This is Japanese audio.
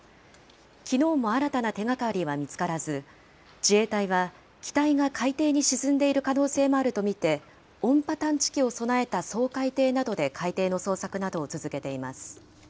きのうも新たな手がかりは見つからず、自衛隊は機体が海底に沈んでいる可能性もあると見て、音波探知機を備えた掃海艇などで海底の捜索などを続けています。